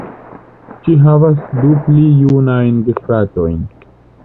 Ŝi havas du pli junajn gefratojn.